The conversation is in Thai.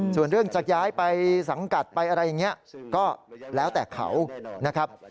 ส่วนเรื่องจะย้ายไปสังกัดไปอะไรอย่างนี้ก็แล้วแต่เขานะครับ